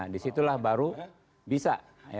di situlah baru bisa